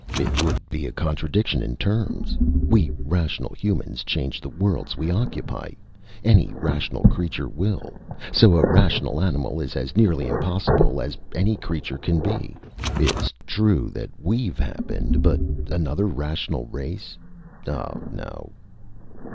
It would be a contradiction in terms! We rational humans change the worlds we occupy! Any rational creature will! So a rational animal is as nearly impossible as any creature can be. It's true that we've happened, but another rational race? Oh, no!"